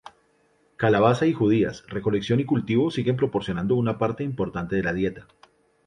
Calabaza y judías, recolección y cultivo siguen proporcionando una parte importante de la dieta.